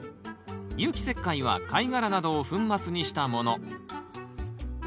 有機石灰は貝殻などを粉末にしたもの。